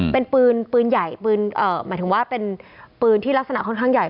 เป็นปืนปืนใหญ่ปืนหมายถึงว่าเป็นปืนที่ลักษณะค่อนข้างใหญ่